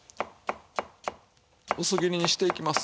薄切りにしていきます。